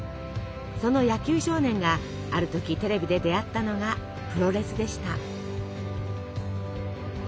その野球少年がある時テレビで出会ったのがプロレスでした。